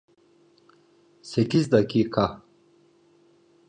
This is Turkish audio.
Sekiz dakika.